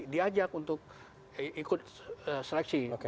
diajak untuk ikut seleksi